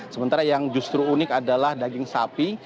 sementara yang justru unik adalah daging sapi